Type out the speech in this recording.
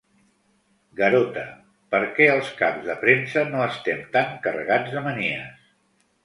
Garota—, perquè els caps de premsa no estem tan carregats de manies.